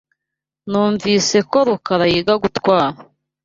Numvise ko Rukara yiga gutwara.